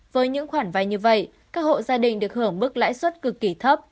với những khoản vay như vậy các hộ gia đình được hưởng mức lãi suất cực kỳ thấp